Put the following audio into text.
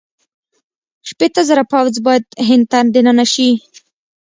شپېته زره پوځ باید هند ته دننه شي.